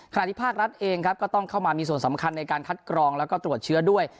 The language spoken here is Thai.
ที่ภาครัฐเองครับก็ต้องเข้ามามีส่วนสำคัญในการคัดกรองแล้วก็ตรวจเชื้อด้วย